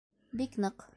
Бик ныҡ...